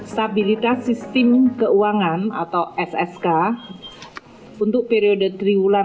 stabilitas sistem keuangan atau ssk untuk periode triwulan satu tahun dua ribu dua puluh tiga